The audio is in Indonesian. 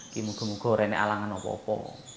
kita harus berharap dalam hal apa apa